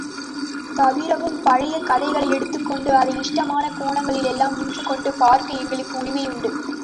தவிரவும் பழைய கதைகளை எடுத்துக் கொண்டு அதை இஷ்டமான கோணங்களிலெல்லாம் நின்றுகொண்டு பார்க்க எங்களுக்கு உரிமையுண்டு.